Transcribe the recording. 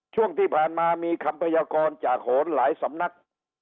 ช่วงที่ผ่านมามีคำพยากรจากโหนหลายสำนัก